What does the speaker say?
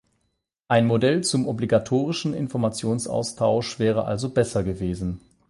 Ein Modell zum obligatorischen Informationsaustausch wäre also besser gewesen.